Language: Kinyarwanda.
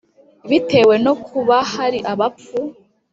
bitewe no kuba hari abapfu,